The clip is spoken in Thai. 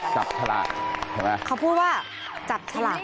จับชลาก